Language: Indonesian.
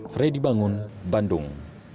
freddy bangun bandung